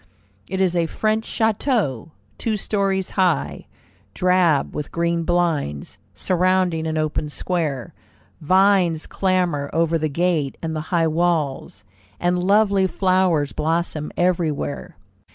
It is a French chateau, two stories high, drab, with green blinds, surrounding an open square; vines clamber over the gate and the high walls, and lovely flowers blossom everywhere.